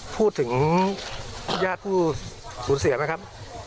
พูดถึงญาติผู้สูญเสียไหมครับ